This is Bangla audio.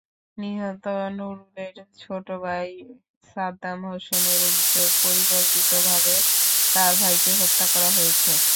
নিহত নুরুলের ছোট ভাই সাদ্দাম হোসেনের অভিযোগ, পরিকল্পিতভাবে তাঁর ভাইকে হত্যা করা হয়েছে।